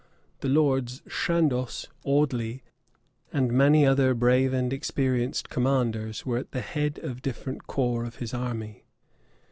The Lords Chandos, Audeley, and many other brave and experienced commanders, were at the head of different corps of his army.